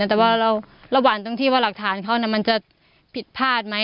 แต่ว่าระหว่างตรงที่ว่าหลักฐานเขามันจะผิดพลาดไหม